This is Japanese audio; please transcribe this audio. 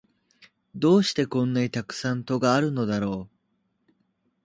どうしてこんなにたくさん戸があるのだろう